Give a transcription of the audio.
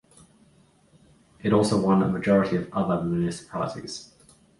It also won a majority of other municipalities.